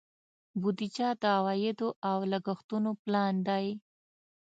بودیجه د عوایدو او لګښتونو پلان دی.